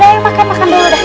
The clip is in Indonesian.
udah ayo makan makan dulu dah